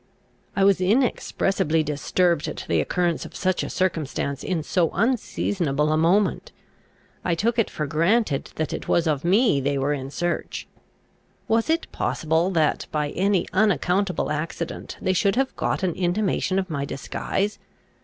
I was inexpressibly disturbed at the occurrence of such a circumstance in so unseasonable a moment. I took it for granted that it was of me they were in search. Was it possible that, by any unaccountable accident, they should have got an intimation of my disguise?